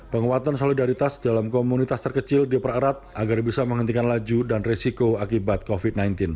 penguatan solidaritas dalam komunitas terkecil dipererat agar bisa menghentikan laju dan resiko akibat covid sembilan belas